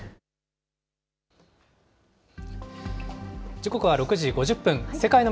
時刻は６時５０分。